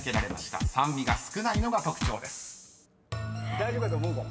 大丈夫だと思う。